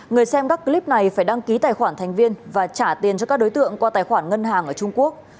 người xem các clip này phải đăng ký tài khoản thành viên và trả tiền cho các đối tượng qua tài khoản ngân hàng ở trung quốc